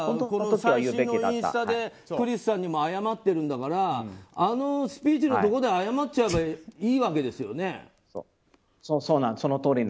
この最新のインスタでクリスさんにも謝ってるんだからあのスピーチのところで謝っちゃえばいいわけですよね。